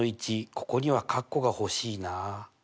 ここにはかっこが欲しいな。